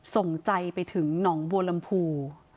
ส่งใจไปถึงหนองบัวลำพู